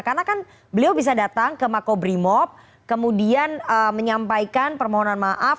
karena kan beliau bisa datang ke makobrimob kemudian menyampaikan permohonan maaf